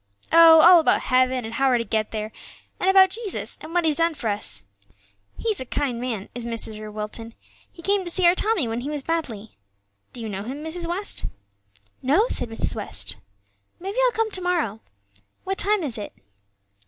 "Oh, all about heaven, and how we're to get there, and about Jesus and what He's done for us. He's a kind man, is Mr. Wilton; he came to see our Tommy when he was badly. Do you know him, Mrs. West?" "No," said Mrs. West; "maybe I'll come to morrow; what time is it?"